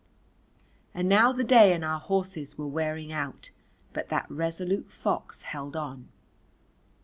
And now the day and our horses were wearing out, but that resolute fox held on.